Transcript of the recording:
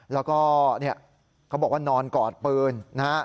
แล้วก็นอนกอดปืน